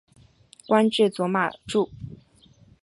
官至左马助。